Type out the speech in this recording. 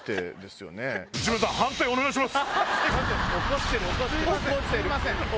すいません。